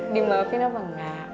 dimaafin apa engga